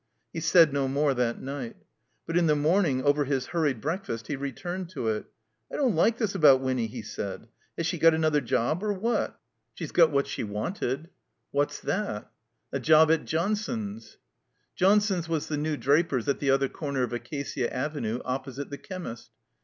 He said no more that night. But in the morning, over his hiuried breakfast, he returned to it. "I don't like this about Winny," he said. "Has she got another job, or what?" 207 THE COMBINED MAZE "She's got what she wanted." "What's that?" "A job at Johnson's." Johnson's was the new drai)ers at the other comer of Acacia Avenue, opposite the chemist.